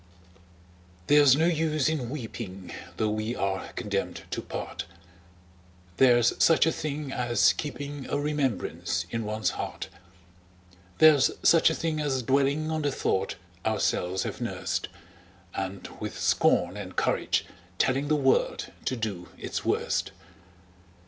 There's no use in weeping, Though we are condemned to part: There's such a thing as keeping A remembrance in one's heart: There's such a thing as dwelling On the thought ourselves have nursed, And with scorn and courage telling The world to do its worst.